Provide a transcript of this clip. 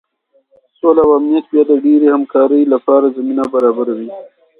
سوله او امنیت بیا د ډیرې همکارۍ لپاره زمینه برابروي.